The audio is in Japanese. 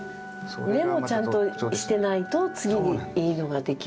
根もちゃんとしてないと次にいいのができないっていう。